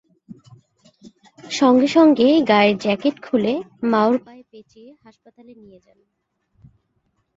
সঙ্গে সঙ্গে গায়ের জ্যাকেট খুলে মায়োর পায়ে পেঁচিয়ে হাসপাতালে নিয়ে যান।